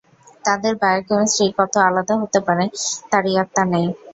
তাদের বায়োকেমিস্ট্রি কত আলাদা হতে পারে তার ইয়ত্তা নেই।